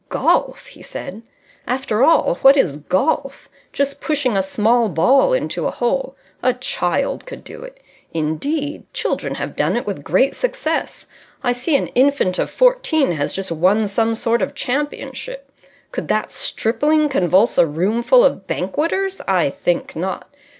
"Golf!" he said. "After all, what is golf? Just pushing a small ball into a hole. A child could do it. Indeed, children have done it with great success. I see an infant of fourteen has just won some sort of championship. Could that stripling convulse a roomful of banqueters? I think not!